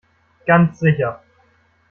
Ganz sicher.